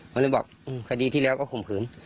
เขาเลยบอกอื้มคดีเท่าที่แลวก็ข่มขืน